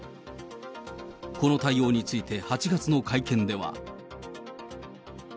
この対応について、８月の会見では。